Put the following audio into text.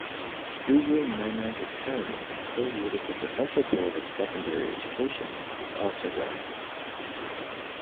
Guru Nanak Academy, affiliated with the Central Board of Secondary Education, is also run.